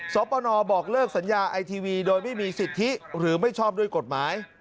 ปนบอกเลิกสัญญาไอทีวีโดยไม่มีสิทธิหรือไม่ชอบด้วยกฎหมาย